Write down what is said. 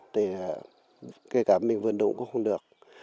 thì kể cả mình vươn đụng cũng không được